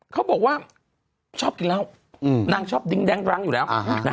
เขาบอกว่าชอบกินเหล้านางชอบดิ้งแร้งรั้งอยู่แล้ว